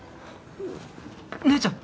姉ちゃん！